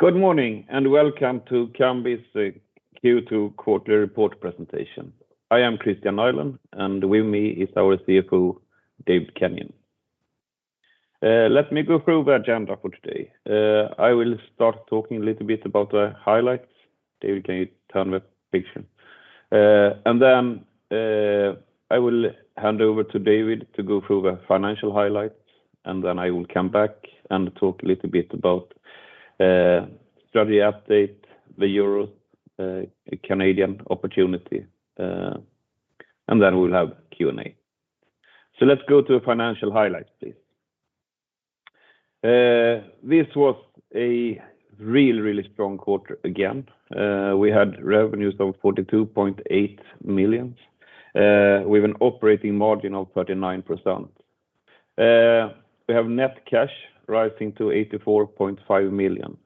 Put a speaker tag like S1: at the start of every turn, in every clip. S1: Good morning, welcome to Kambi's Q2 quarterly report presentation. I am Kristian Nylén, and with me is our CFO, David Kenyon. Let me go through the agenda for today. I will start talking a little bit about the highlights. David, can you turn the page? Then I will hand over to David to go through the financial highlights, and then I will come back and talk a little bit about the strategy update, the Euro, the Canadian opportunity, and then we will have Q&A. Let's go to financial highlights, please. This was a really strong quarter again. We had revenues of 42.8 million, with an operating margin of 39%. We have net cash rising to 84.5 million.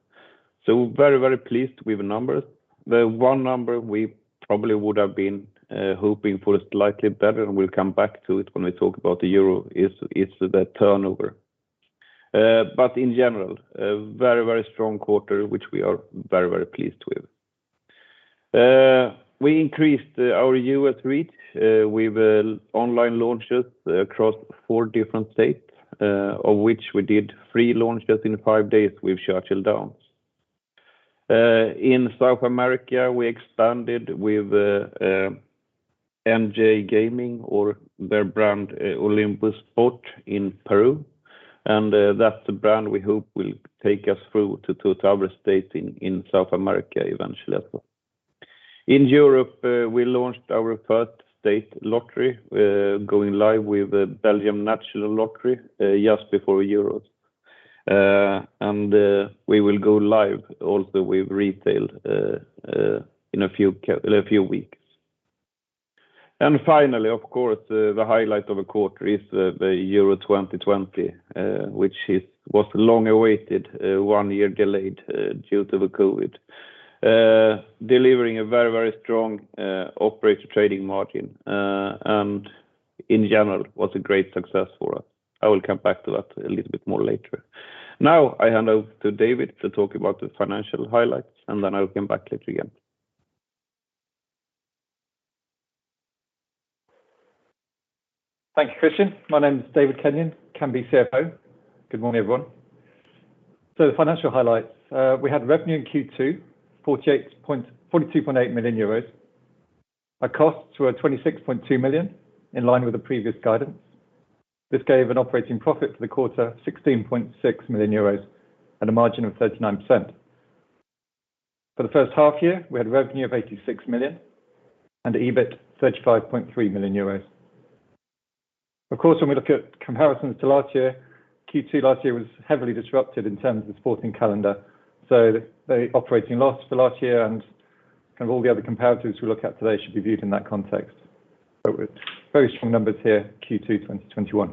S1: Very pleased with the numbers. The one number we probably would have been hoping for slightly better, and we'll come back to it when we talk about the Euro, is the turnover. In general, a very strong quarter, which we are very pleased with. We increased our U.S. reach with online launches across four different states, of which we did three launches in five days with Churchill Downs. In South America, we expanded with NG Gaming or their brand Olimpo.bet in Peru, and that's the brand we hope will take us through to two other states in South America eventually as well. In Europe, we launched our first state lottery, going live with the Belgian National Lottery just before Euros. We will go live also with retail in a few weeks. Finally, of course, the highlight of the quarter is the Euro 2020, which was long awaited, one year delayed due to the COVID, delivering a very strong operator trading margin, and in general, was a great success for us. I will come back to that a little bit more later. I hand over to David to talk about the financial highlights, and then I will come back later again.
S2: Thank you, Kristian. My name is David Kenyon, Kambi CFO. Good morning, everyone. The financial highlights. We had revenue in Q2, 42.8 million euros. Our costs were 26.2 million, in line with the previous guidance. This gave an operating profit for the quarter, 16.6 million euros at a margin of 39%. For the first half year, we had revenue of 86 million and EBIT 35.3 million euros. When we look at comparisons to last year, Q2 last year was heavily disrupted in terms of the sporting calendar, the operating loss for last year and all the other comparatives we look at today should be viewed in that context. Very strong numbers here, Q2 2021.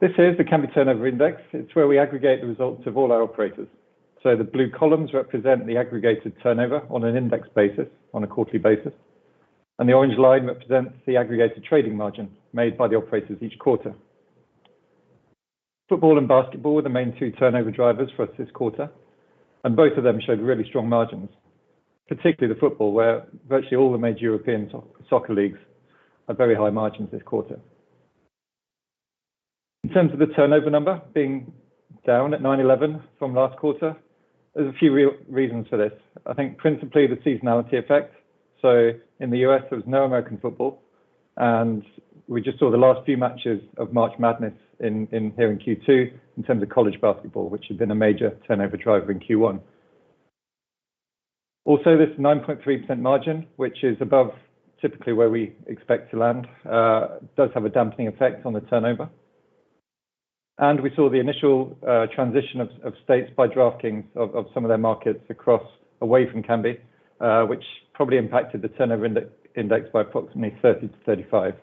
S2: This is the Kambi turnover index. It's where we aggregate the results of all our operators. The blue columns represent the aggregated turnover on an index basis on a quarterly basis, and the orange line represents the aggregated trading margin made by the operators each quarter. Football and Basketball were the main two turnover drivers for us this quarter, and both of them showed really strong margins, particularly the Football, where virtually all the major European Football leagues had very high margins this quarter. In terms of the turnover number being down at 911 from last quarter, there's a few real reasons for this. I think principally the seasonality effect. In the U.S., there was no American Football, and we just saw the last few matches of March Madness here in Q2 in terms of college Basketball, which had been a major turnover driver in Q1. This 9.3% margin, which is above typically where we expect to land, does have a dampening effect on the turnover. We saw the initial transition of states by DraftKings of some of their markets away from Kambi, which probably impacted the turnover index by approximately 30-35.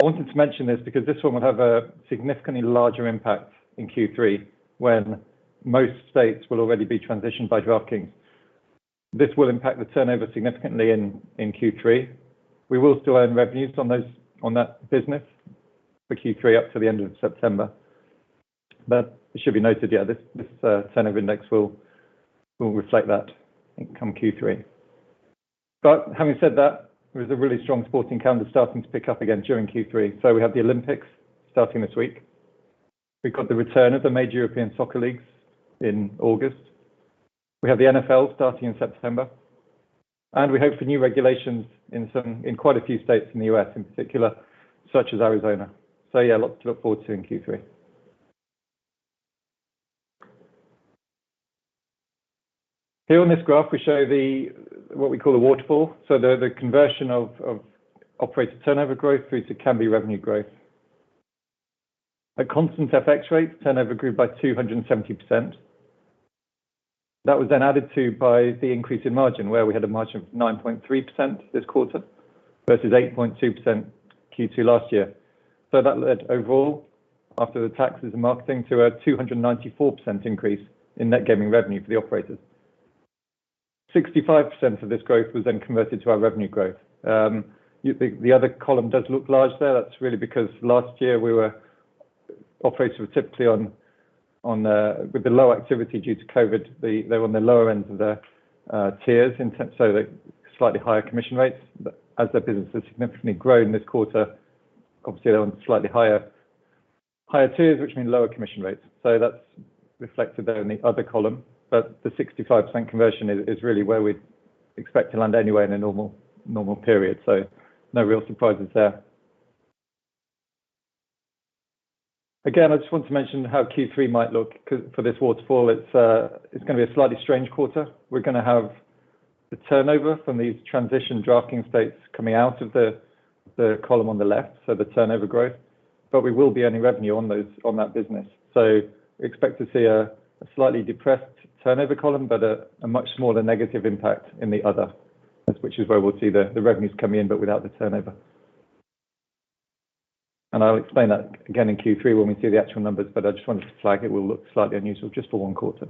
S2: I wanted to mention this because this one will have a significantly larger impact in Q3 when most states will already be transitioned by DraftKings. This will impact the turnover significantly in Q3. We will still earn revenues on that business for Q3 up to the end of September. It should be noted, this turnover index will reflect that come Q3. Having said that, there is a really strong sporting calendar starting to pick up again during Q3. We have the Olympics starting this week. We've got the return of the major European soccer leagues in August. We have the NFL starting in September. We hope for new regulations in quite a few states in the U.S. in particular, such as Arizona. Lots to look forward to in Q3. Here on this graph, we show what we call the waterfall. The conversion of operator turnover growth through to Kambi revenue growth. At constant FX rates, turnover grew by 270%. That was then added to by the increase in margin, where we had a margin of 9.3% this quarter versus 8.2% Q2 last year. That led overall, after the taxes and marketing, to a 294% increase in net gaming revenue for the operators. 65% of this growth was then converted to our revenue growth. The other column does look large there. That's really because last year operators were typically with the low activity due to COVID, they were on the lower end of the tiers, so the slightly higher commission rates, but as their business has significantly grown this quarter, obviously they're on slightly higher tiers, which mean lower commission rates. That's reflected there in the other column. The 65% conversion is really where we'd expect to land anyway in a normal period. No real surprises there. Again, I just want to mention how Q3 might look for this waterfall. It's going to be a slightly strange quarter. We're going to have the turnover from these transition DraftKings states coming out of the column on the left, so the turnover growth, but we will be earning revenue on that business. We expect to see a slightly depressed turnover column, but a much smaller negative impact in the other, which is where we'll see the revenues come in, but without the turnover. I'll explain that again in Q3 when we see the actual numbers, but I just wanted to flag it will look slightly unusual just for one quarter.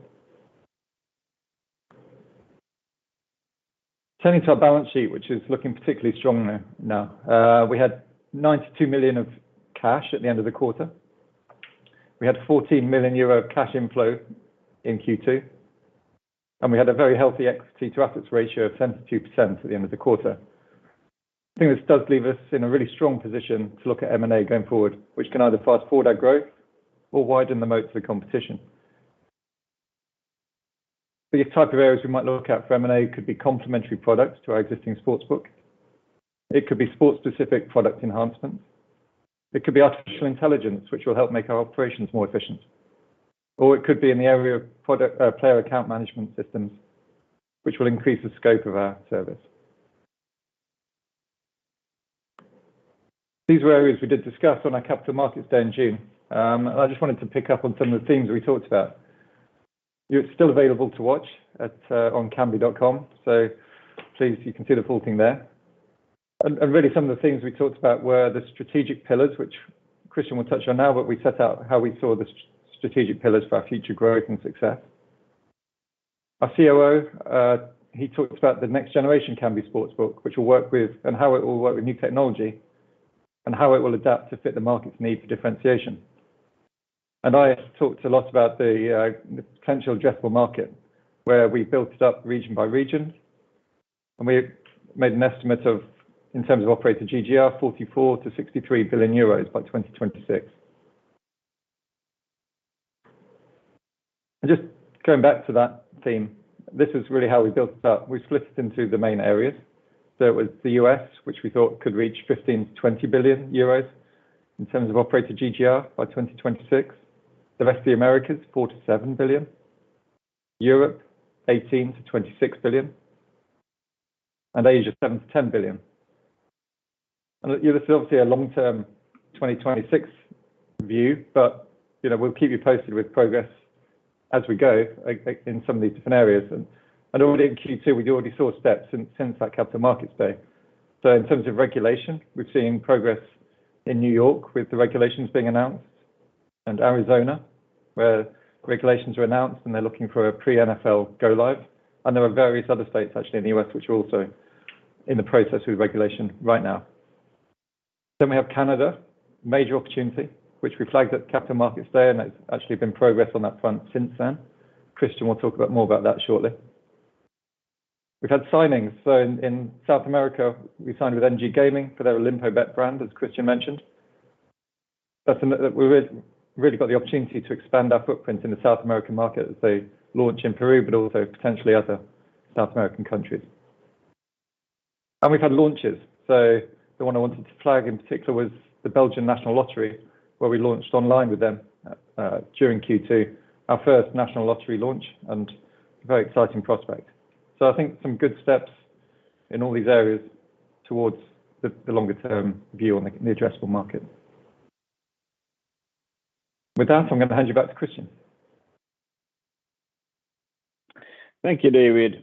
S2: Turning to our balance sheet, which is looking particularly strong there now. We had 92 million of cash at the end of the quarter. We had a 14 million euro cash inflow in Q2, and we had a very healthy equity to assets ratio of 72% at the end of the quarter. I think this does leave us in a really strong position to look at M&A going forward, which can either fast forward our growth or widen the moat of the competition. The type of areas we might look at for M&A could be complementary products to our existing sportsbook. It could be sport-specific product enhancements. It could be artificial intelligence, which will help make our operations more efficient. It could be in the area of player account management systems, which will increase the scope of our service. These were areas we did discuss on our Capital Markets Day in June. I just wanted to pick up on some of the themes we talked about. It's still available to watch on kambi.com, please, you can see the full thing there. Really some of the things we talked about were the strategic pillars, which Kristian will touch on now, but we set out how we saw the strategic pillars for our future growth and success. Our COO talked about the next generation Kambi sportsbook. How it will work with new technology, how it will adapt to fit the market's need for differentiation. I talked a lot about the potential addressable market, where we built it up region by region, and we made an estimate of, in terms of operator GGR, 44 billion-63 billion euros by 2026. Just going back to that theme, this is really how we built it up. We split it into the main areas. It was the U.S., which we thought could reach 15 billion-20 billion euros in terms of operator GGR by 2026. The rest of the Americas, 4 billion-7 billion. Europe, 18 billion-26 billion. Asia, 7 billion-10 billion. This is obviously a long-term 2026 view, but we'll keep you posted with progress as we go in some of these different areas. Already in Q2, we already saw steps since our Capital Markets Day. In terms of regulation, we're seeing progress in New York with the regulations being announced, and Arizona, where regulations were announced, and they're looking for a pre NFL go live. There are various other states, actually, in the U.S., which are also in the process with regulation right now. We have Canada, major opportunity, which we flagged at Capital Markets Day, and there's actually been progress on that front since then. Kristian will talk about more about that shortly. We've had signings. In South America, we signed with NG Gaming for their Olimpo.bet brand, as Kristian mentioned. That's something that we really got the opportunity to expand our footprint in the South American market as they launch in Peru, but also potentially other South American countries. We've had launches. The one I wanted to flag in particular was the Belgian National Lottery, where we launched online with them during Q2. Our first National Lottery launch and a very exciting prospect. I think some good steps in all these areas towards the longer-term view on the addressable market. With that, I'm going to hand you back to Kristian.
S1: Thank you, David.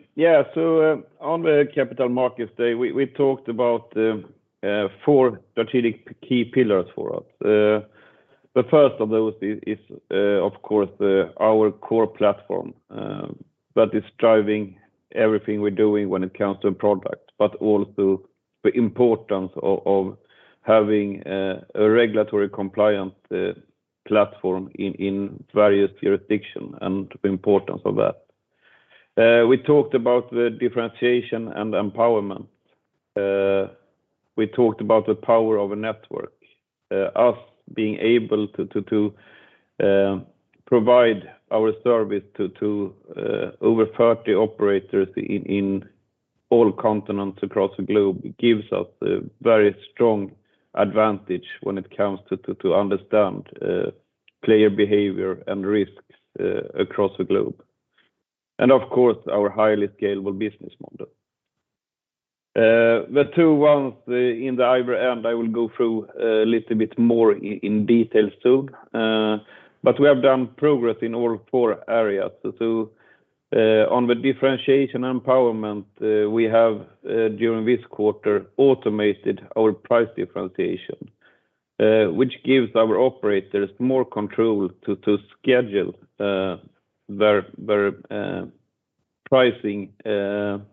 S1: On the Capital Markets Day, we talked about the four strategic key pillars for us. The first of those is, of course, our core platform that is driving everything we're doing when it comes to product, but also the importance of having a regulatory compliant platform in various jurisdictions and the importance of that. We talked about the differentiation and empowerment. We talked about the power of a network, us being able to provide our service to over 30 operators in all continents across the globe gives us a very strong advantage when it comes to understand player behavior and risks across the globe. Of course, our highly scalable business model. The two ones in either end, I will go through a little bit more in detail soon. We have done progress in all four areas. On the differentiation and empowerment, we have, during this quarter, automated our price differentiation, which gives our operators more control to schedule their pricing to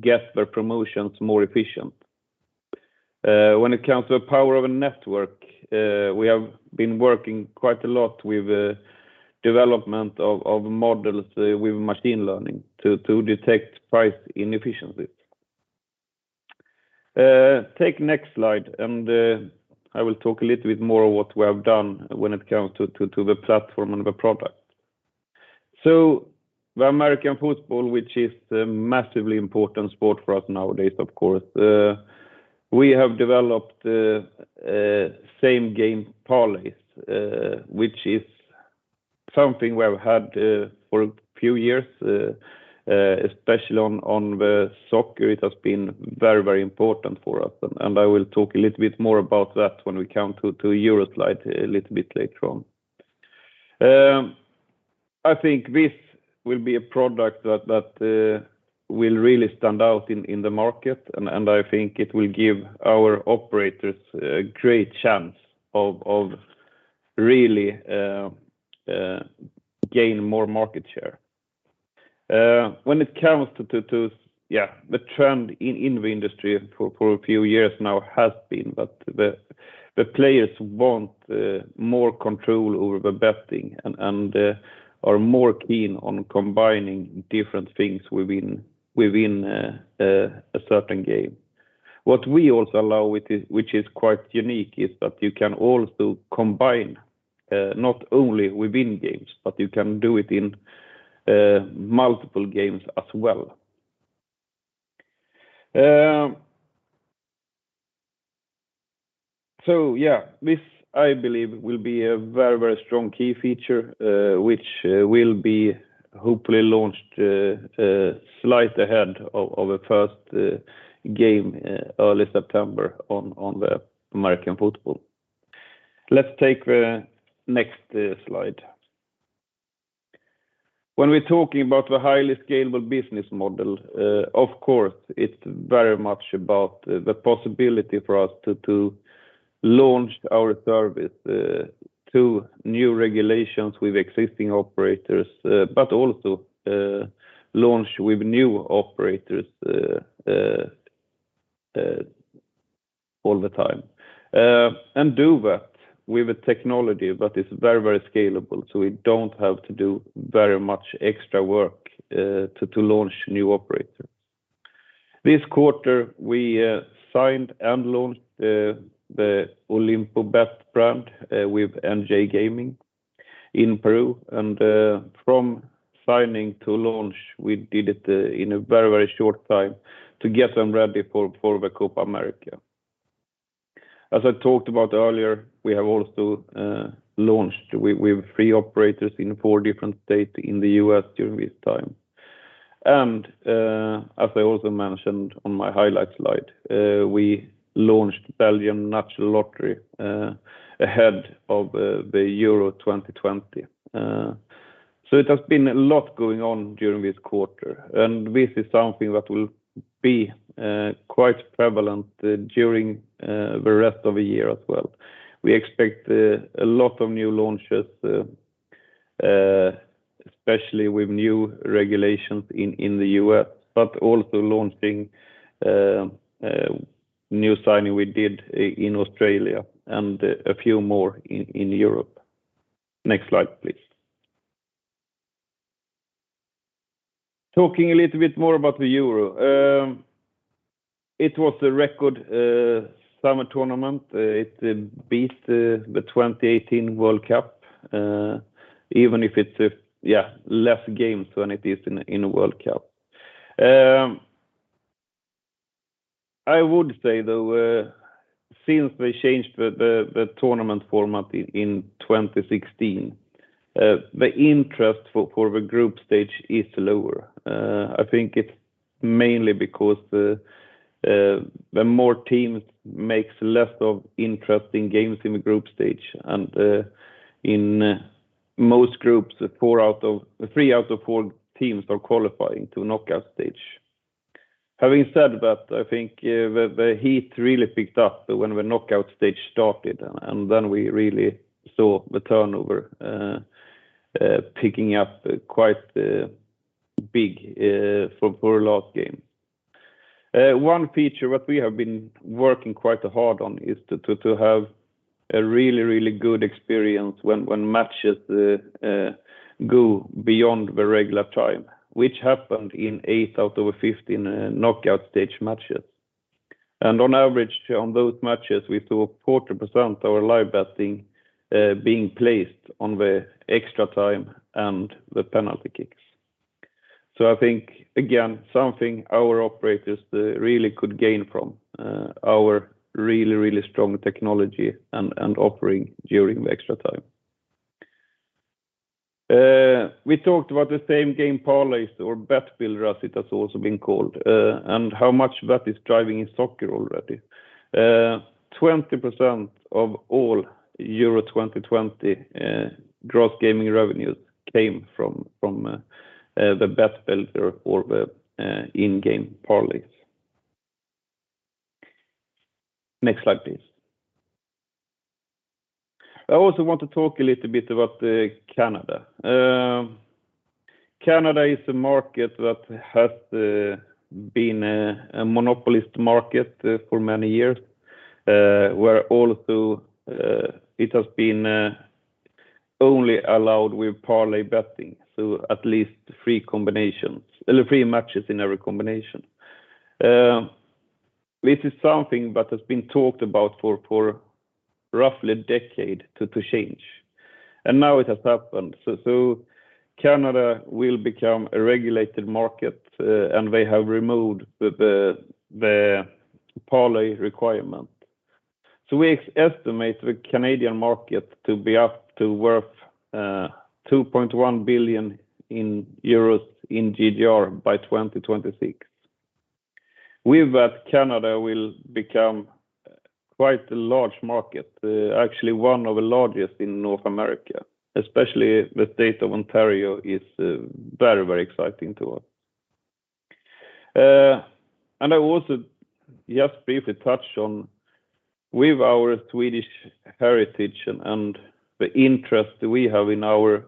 S1: get their promotions more efficient. When it comes to the power of a network, we have been working quite a lot with development of models with machine learning to detect price inefficiencies. Take next slide, and I will talk a little bit more what we have done when it comes to the platform and the product. The American football, which is a massively important sport for us nowadays, of course, we have developed the same game parlays, which is something we have had for a few years, especially on the soccer. It has been very important for us. I will talk a little bit more about that when we come to Euro slide a little bit later on. I think this will be a product that will really stand out in the market, and I think it will give our operators a great chance of really gain more market share. When it comes to the trend in the industry for a few years now has been that the players want more control over the betting and are more keen on combining different things within a certain game. What we also allow, which is quite unique, is that you can also combine, not only within games, but you can do it in multiple games as well. Yeah, this, I believe, will be a very strong key feature, which will be hopefully launched slightly ahead of the first game early September on the American football. Let's take next slide. When we're talking about the highly scalable business model, of course, it's very much about the possibility for us to launch our service to new regulations with existing operators, but also launch with new operators all the time. Do that with a technology that is very scalable, so we don't have to do very much extra work to launch new operators. This quarter, we signed and launched the Olimpo.bet brand with NG Gaming in Peru. From signing to launch, we did it in a very short time to get them ready for the Copa América. As I talked about earlier, we have also launched with three operators in four different states in the U.S. during this time. As I also mentioned on my highlight slide, we launched Belgian National Lottery, ahead of the Euro 2020. It has been a lot going on during this quarter, and this is something that will be quite prevalent during the rest of the year as well. We expect a lot of new launches, especially with new regulations in the U.S., but also launching a new signing we did in Australia and a few more in Europe. Next slide, please. Talking a little bit more about the Euro. It was a record summer tournament. It beat the 2018 World Cup, even if it's less games than it is in a World Cup. I would say, though, since they changed the tournament format in 2016, the interest for the group stage is lower. I think it's mainly because the more teams makes less of interesting games in the group stage. In most groups, three out of four teams are qualifying to knockout stage. Having said that, I think the heat really picked up when the knockout stage started, then we really saw the turnover picking up quite big for a last game. One feature that we have been working quite hard on is to have a really good experience when matches go beyond the regular time, which happened in eight out of the 15 knockout stage matches. On average, on those matches, we saw 40% of our live betting being placed on the extra time and the penalty kicks. I think, again, something our operators really could gain from our really strong technology and offering during the extra time. We talked about the same game parlays or Bet Builder it has also been called, and how much that is driving in soccer already. 20% of all Euro 2020 gross gaming revenues came from the Bet Builder or the same game parlays. Next slide, please. I also want to talk a little bit about Canada. Canada is a market that has been a monopolist market for many years, where also it has been only allowed with parlay betting, so at least three matches in every combination. This is something that has been talked about for roughly a decade to change, now it has happened. Canada will become a regulated market, and they have removed the parlay requirement. We estimate the Canadian market to be up to worth 2.1 billion euros in GGR by 2026. With that, Canada will become quite a large market, actually one of the largest in North America, especially the state of Ontario is very exciting to us. I also just briefly touch on, with our Swedish heritage and the interest we have in our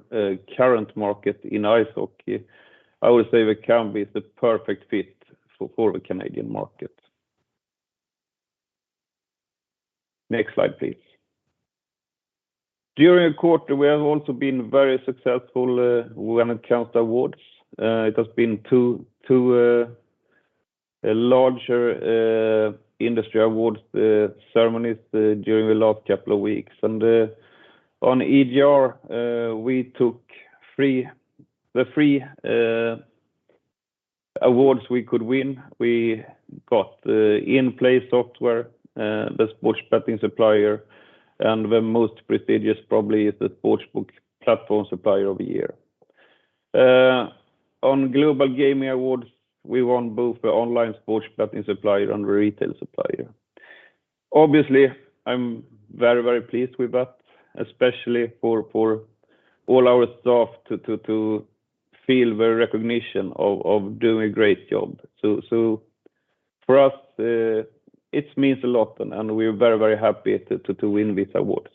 S1: current market in ice hockey, I would say that Kambi is the perfect fit for the Canadian market. Next slide, please. During the quarter, we have also been very successful winning Kambi awards. It has been two larger industry awards ceremonies during the last couple of weeks. On EGR, we took the three awards we could win. We got the In-Play Software, the Sports Betting Supplier, and the most prestigious probably is the Sportsbook Platform Supplier of the Year. On Global Gaming Awards, we won both the Online Sports Betting Supplier and the Retail Supplier. Obviously, I'm very pleased with that, especially for all our staff to feel the recognition of doing a great job. For us, it means a lot, and we are very happy to win these awards.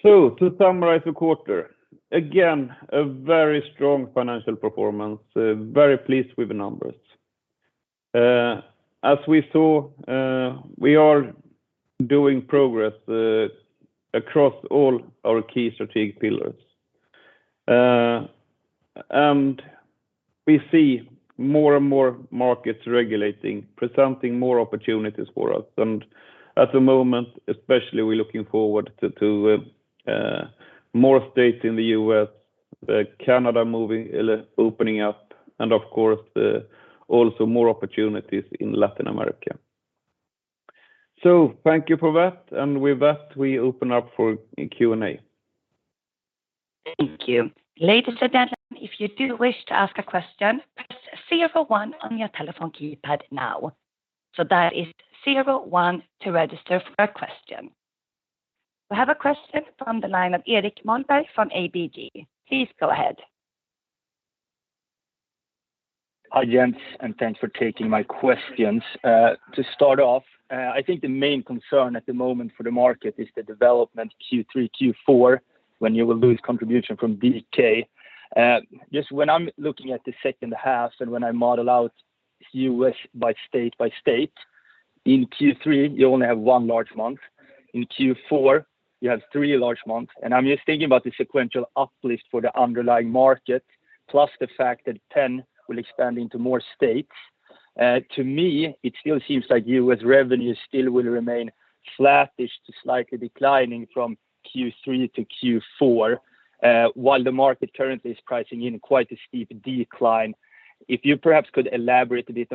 S1: To summarize the quarter, again, a very strong financial performance, very pleased with the numbers. As we saw, we are doing progress across all our key strategic pillars. We see more and more markets regulating, presenting more opportunities for us. At the moment, especially, we're looking forward to more states in the U.S., Canada opening up, and of course, also more opportunities in Latin America. Thank you for that, and with that, we open up for Q&A.
S3: Thank you. Ladies and gentlemen, if you do wish to ask a question, press zero one on your telephone keypad now. That is zero one to register for a question. We have a question from the line of Erik Moberg from ABG. Please go ahead.
S4: Hi, Gents. Thanks for taking my questions. To start off, I think the main concern at the moment for the market is the development Q3, Q4, when you will lose contribution from DK. Just when I'm looking at the second half and when I model out U.S. by state, in Q3, you only have one large month. In Q4, you have three large months. I'm just thinking about the sequential uplift for the underlying market, plus the fact that Penn will expand into more states. To me, it still seems like U.S. revenue still will remain flattish to slightly declining from Q3 to Q4, while the market currently is pricing in quite a steep decline. If you perhaps could elaborate a bit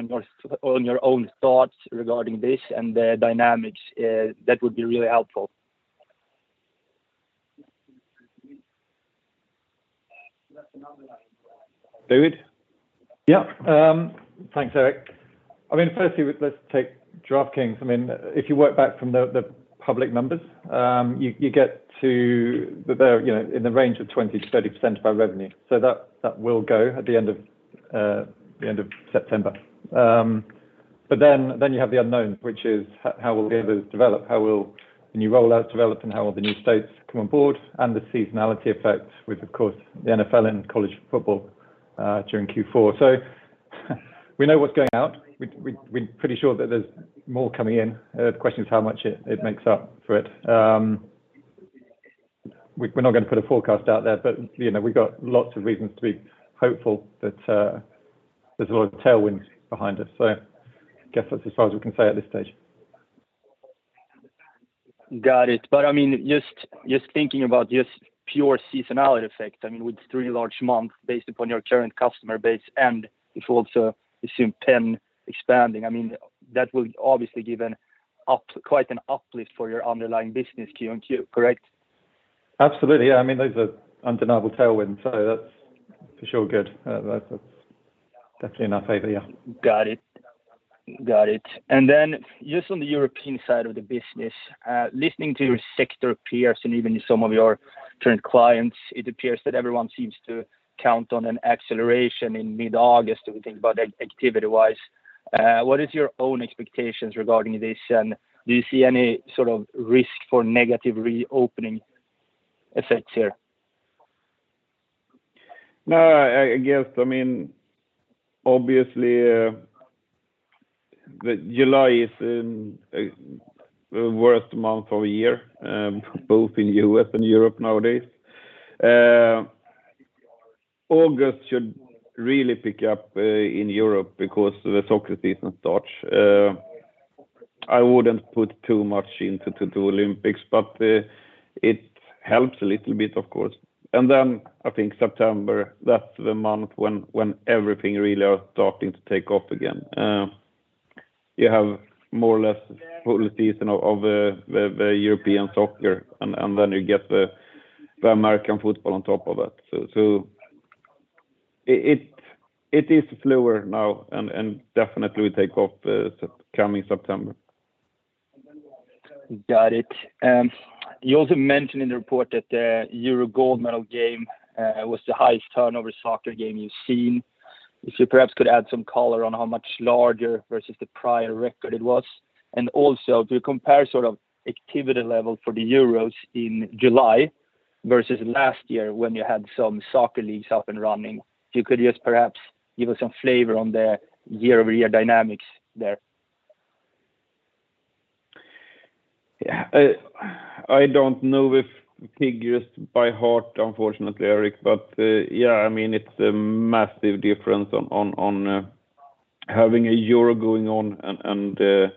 S4: on your own thoughts regarding this and the dynamics, that would be really helpful.
S1: David?
S2: Thanks, Erik. Firstly, let's take DraftKings. If you work back from the public numbers, you get to in the range of 20%-30% by revenue. That will go at the end of September. You have the unknown, which is how will the others develop, how will the new rollouts develop, and how will the new states come on board, and the seasonality effect with, of course, the NFL and college football during Q4. We know what's going out. We're pretty sure that there's more coming in. The question is how much it makes up for it. We're not going to put a forecast out there, we've got lots of reasons to be hopeful that there's a lot of tailwinds behind us. I guess that's as far as we can say at this stage.
S4: Got it. Just thinking about just pure seasonality effect, with three large months based upon your current customer base, and if we also assume Penn expanding, that will obviously give quite an uplift for your underlying business Q on Q, correct?
S2: Absolutely. Those are undeniable tailwinds, so that's for sure good. That's definitely in our favor, yeah.
S4: Got it. Just on the European side of the business, listening to your sector peers and even some of your current clients, it appears that everyone seems to count on an acceleration in mid-August if we think about activity-wise. What are your own expectations regarding this, and do you see any sort of risk for negative reopening effects here?
S1: No. Obviously, July is the worst month of the year both in U.S. and Europe nowadays. August should really pick up in Europe because the soccer season starts. I wouldn't put too much into the Olympics, but it helps a little bit, of course. I think September, that's the month when everything really are starting to take off again. You have more or less full season of the European soccer and then you get the American football on top of it. It is slower now and definitely will take off coming September.
S4: Got it. You also mentioned in the report that the Euro gold medal game was the highest turnover soccer game you've seen. If you perhaps could add some color on how much larger versus the prior record it was, and also to compare activity level for the Euros in July versus last year when you had some soccer leagues up and running. If you could just perhaps give us some flavor on the year-over-year dynamics there.
S1: I don't know the figures by heart, unfortunately, Erik, but it's a massive difference on having a Euro going on and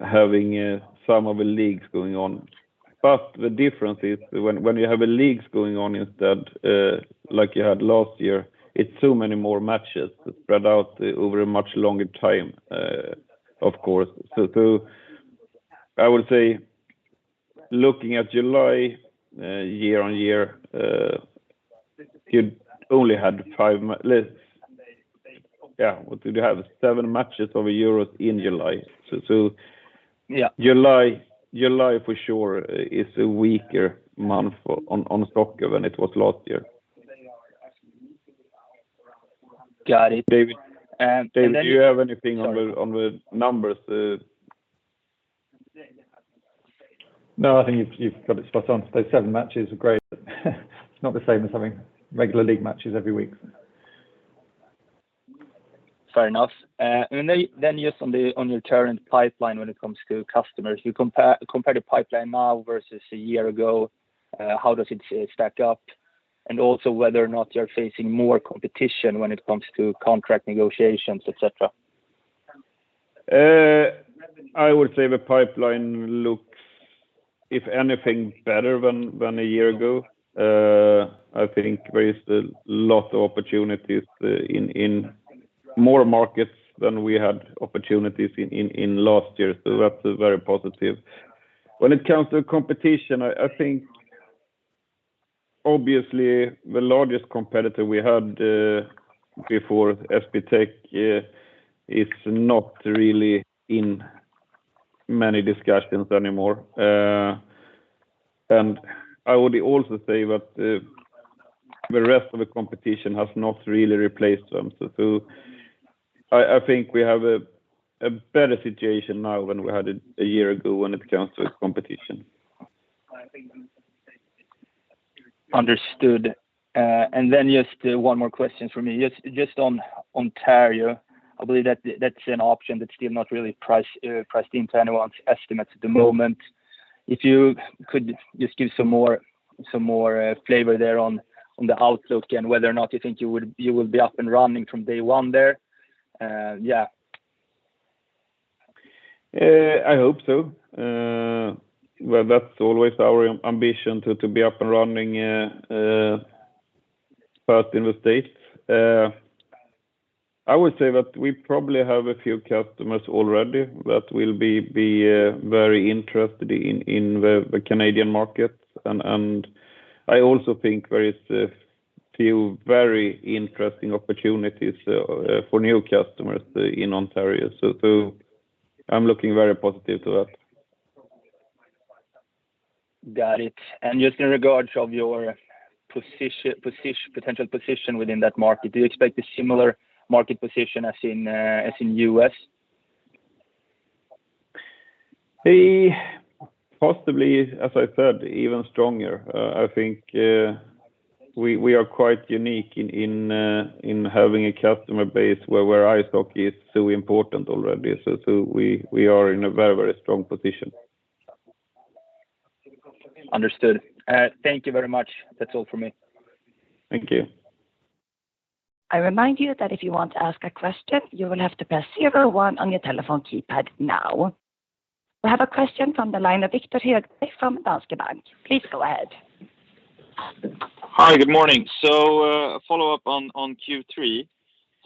S1: having some of the leagues going on. The difference is when you have leagues going on instead, like you had last year, it's so many more matches spread out over a much longer time, of course. I would say looking at July year-on-year, you only had seven matches of Euro in July.
S4: Yeah.
S1: July for sure is a weaker month on soccer than it was last year.
S4: Got it.
S1: David, do you have anything on the numbers?
S2: I think you've got it spot on. Those seven matches are great, but it's not the same as having regular league matches every week.
S4: Fair enough. Just on your current pipeline when it comes to customers, you compare the pipeline now versus a year ago, how does it stack up, whether or not you're facing more competition when it comes to contract negotiations, et cetera?
S1: I would say the pipeline looks, if anything, better than a year ago. I think there is a lot of opportunities in more markets than we had opportunities in last year, so that is very positive. I think obviously the largest competitor we had before, SBTech, is not really in many discussions anymore. I would also say that the rest of the competition has not really replaced them. I think we have a better situation now than we had a year ago when it comes to competition.
S4: Understood. Just one more question from me. Just on Ontario, I believe that's an option that's still not really priced into anyone's estimates at the moment. If you could just give some more flavor there on the outlook and whether or not you think you will be up and running from day one there.
S1: I hope so. Well, that's always our ambition to be up and running first in the state. I would say that we probably have a few customers already that will be very interested in the Canadian market, and I also think there is a few very interesting opportunities for new customers in Ontario. I'm looking very positive to that.
S4: Got it. Just in regards of your potential position within that market, do you expect a similar market position as in U.S.?
S1: Possibly, as I said, even stronger. I think we are quite unique in having a customer base where In-Play is so important already. We are in a very strong position.
S4: Understood. Thank you very much. That's all from me.
S1: Thank you.
S3: I remind you that if you want to ask a question, you will have to press zero one on your telephone keypad now. We have a question from the line of Viktor from Danske Bank. Please go ahead.
S5: Hi. Good morning. Follow up on Q3.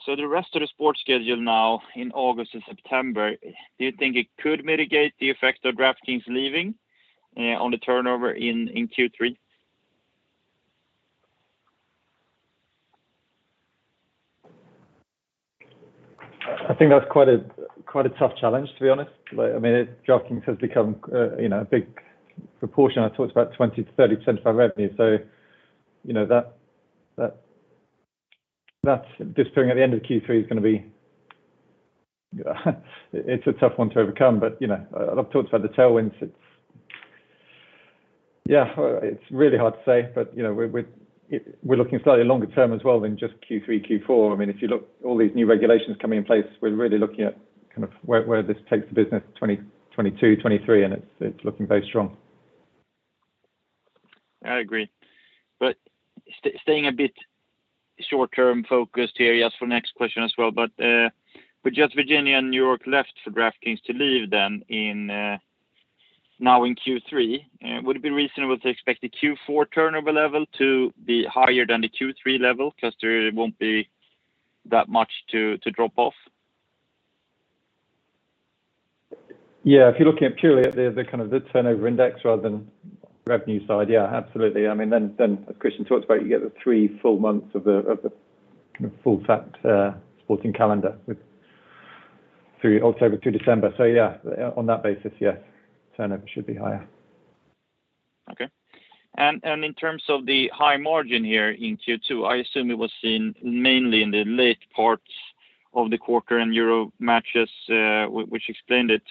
S5: The rest of the sports schedule now in August and September, do you think it could mitigate the effects of DraftKings leaving on the turnover in Q3?
S2: I think that's quite a tough challenge, to be honest. DraftKings has become a big proportion. I talked about 20%-30% of our revenue. That disappearing at the end of Q3 is a tough one to overcome. I've talked about the tailwinds. It's really hard to say, we're looking slightly longer term as well than just Q3, Q4. If you look at all these new regulations coming in place, we're really looking at where this takes the business in 2022, 2023, it's looking very strong.
S5: I agree. Staying a bit short-term focused here. Yes, for next question as well, with just Virginia and New York left for DraftKings to leave then now in Q3, would it be reasonable to expect the Q4 turnover level to be higher than the Q3 level because there won't be that much to drop off?
S2: Yeah, if you're looking purely at the turnover index rather than the revenue side, yeah, absolutely. As Kristian talked about, you get the three full months of the full fat sporting calendar with October through December. Yeah, on that basis, yes. Turnover should be higher.
S5: Okay. In terms of the high margin here in Q2, I assume it was seen mainly in the late parts of the quarter in Euro matches, which explained it.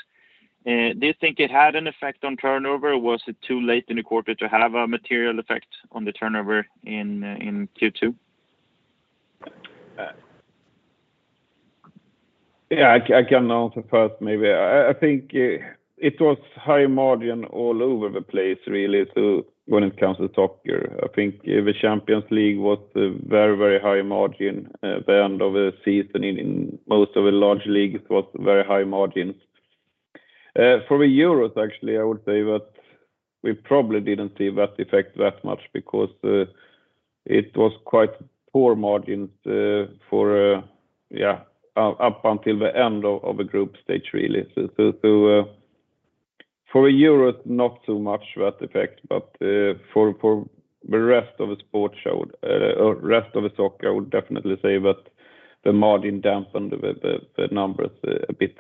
S5: Do you think it had an effect on turnover, or was it too late in the quarter to have a material effect on the turnover in Q2?
S1: Yeah, I can answer first maybe. I think it was high margin all over the place, really, when it comes to soccer. I think the Champions League was very high margin. The end of the season in most of the large leagues was very high margins. For the Euros, actually, I would say that we probably didn't see that effect that much because it was quite poor margins up until the end of the group stage, really. For the Euros, not so much that effect, but for the rest of the soccer, I would definitely say that the margin dampened the numbers a bit.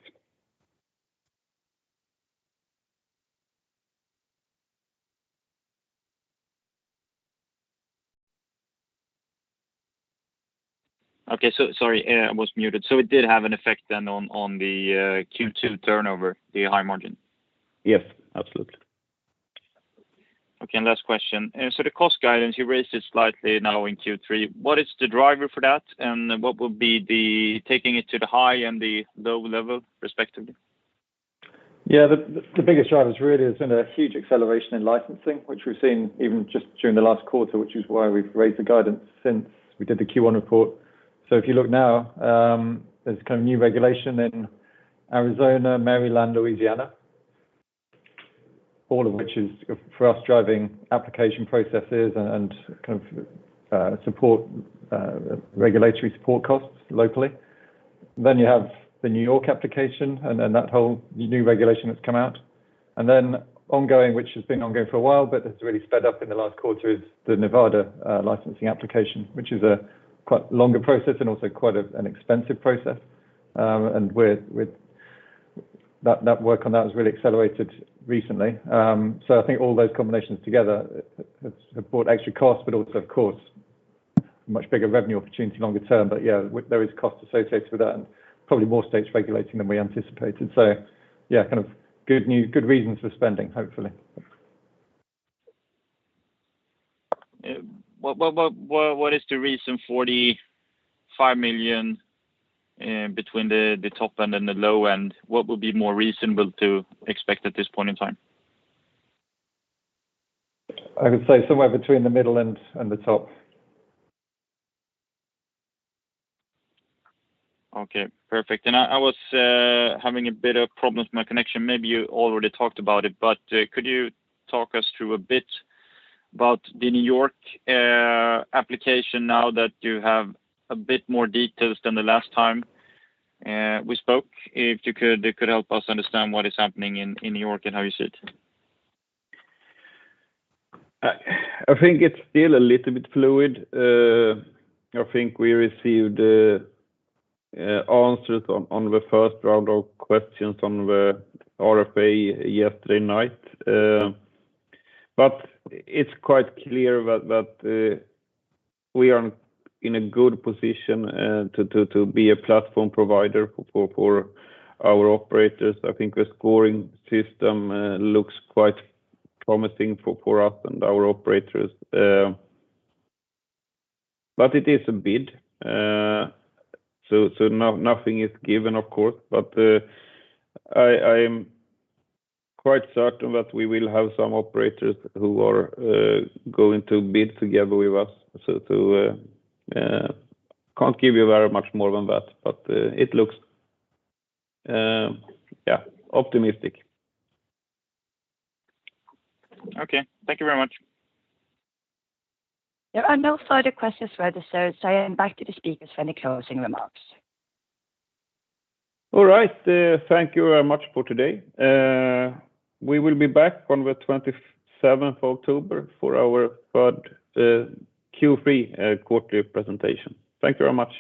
S5: Okay. Sorry, I was muted. It did have an effect then on the Q2 turnover, the high margin?
S1: Yes, absolutely.
S5: Okay. Last question. The cost guidance, you raised it slightly now in Q3. What is the driver for that, and what will be taking it to the high and the low level, respectively?
S2: Yeah, the biggest driver really has been a huge acceleration in licensing, which we've seen even just during the last quarter, which is why we've raised the guidance since we did the Q1 report. If you look now, there's new regulation in Arizona, Maryland, Louisiana. All of which is, for us, driving application processes and regulatory support costs locally. You have the New York application and that whole new regulation that's come out. Ongoing, which has been ongoing for a while, but it's really sped up in the last quarter, is the Nevada licensing application, which is a quite longer process and also quite an expensive process. That work on that has really accelerated recently. I think all those combinations together have brought extra costs, but also, of course, a much bigger revenue opportunity longer term. Yeah, there is cost associated with that and probably more states regulating than we anticipated. Yeah, good reasons for spending, hopefully.
S5: What is the reason for the 5 million between the top end and the low end? What would be more reasonable to expect at this point in time?
S2: I would say somewhere between the middle and the top.
S5: Okay, perfect. I was having a bit of problem with my connection. Maybe you already talked about it, but could you talk us through a bit about the New York application now that you have a bit more details than the last time we spoke? If you could help us understand what is happening in New York and how you see it.
S1: I think it's still a little bit fluid. I think we received answers on the first round of questions on the RFA yesterday night. It's quite clear that we are in a good position to be a platform provider for our operators. I think the scoring system looks quite promising for us and our operators. It is a bid, so nothing is given, of course. I am quite certain that we will have some operators who are going to bid together with us. Can't give you very much more than that, but it looks optimistic.
S5: Okay. Thank you very much.
S3: There are no further questions for either. I hand back to the speakers for any closing remarks.
S1: All right. Thank you very much for today. We will be back on the October 27th for our third Q3 quarterly presentation. Thank you very much.